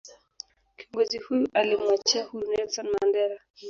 kiongozi huyo alimuachia huru Nelson Mandela